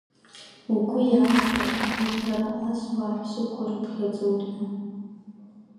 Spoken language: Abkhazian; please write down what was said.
Угәы иаанагап, урҭ ара асуа аҳәсақәа рыԥхьаӡоит ҳәа.